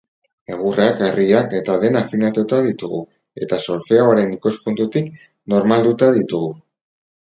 Egurrak, harriak eta dena afinatuta ditugu, eta solfeoaren ikuspuntutik normalduta ditugu.